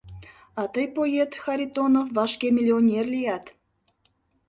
А тый поет, Харитонов, вашке миллионер лият.